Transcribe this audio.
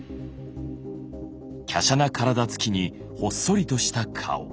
きゃしゃな体つきにほっそりとした顔。